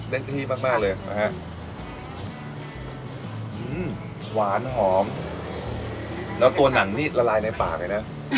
ที่นี่มากมากเลยนะฮะหวานหอมแล้วตัวหนังนี่ละลายในปากเลยนะ